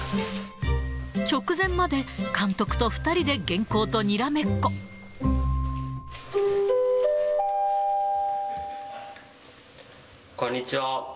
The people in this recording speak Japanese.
直前まで監督と２人で原稿とこんにちは。